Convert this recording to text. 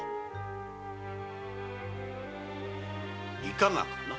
いかがかな？